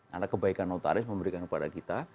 karena kebaikan notaris memberikan kepada kita